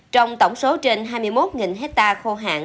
trong tổng số trên hai mươi một hectare khô hạn